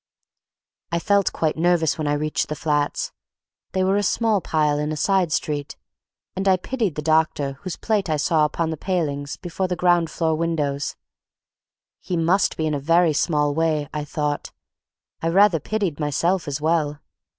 I felt quite nervous when I reached the flats. They were a small pile in a side street, and I pitied the doctor whose plate I saw upon the palings before the ground floor windows; he must be in a very small way, I thought. I rather pitied myself as well.